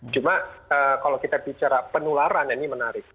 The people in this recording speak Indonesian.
cuma kalau kita bicara penularan ini menarik